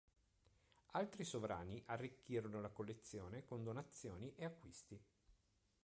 Altri sovrani arricchirono la collezione con donazioni e acquisti.